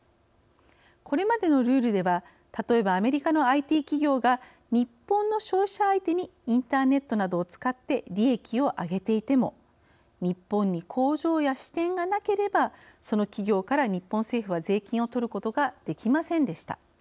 これまでのルールでは例えば、アメリカのＩＴ企業が日本の消費者相手にインターネットなどを使って利益を上げていても日本に工場や支店がなければその企業から日本政府は税金をとることができませんでした。